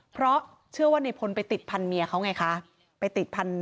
เพราะเชื่อว่าในพลไปติดพันธุ์เมียเขาไงคะไปติดพันธุ์